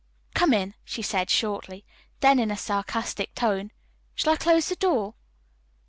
"Come in," she said shortly, then in a sarcastic tone, "Shall I close the door?"